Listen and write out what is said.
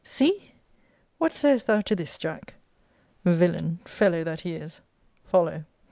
See! What sayest thou to this, Jack? 'Villain fellow that he is!' follow.